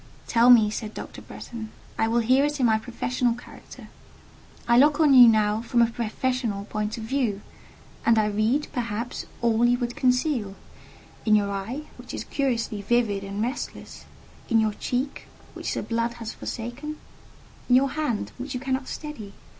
"Tell me," said Dr. Bretton; "I will hear it in my professional character: I look on you now from a professional point of view, and I read, perhaps, all you would conceal—in your eye, which is curiously vivid and restless: in your cheek, which the blood has forsaken; in your hand, which you cannot steady.